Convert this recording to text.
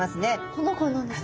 この子は何ですか？